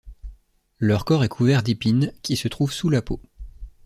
Leur corps est couvert d'épines qui se trouvent sous la peau.